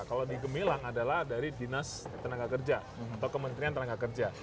kalau di gemilang adalah dari dinas tenaga kerja atau kementerian tenaga kerja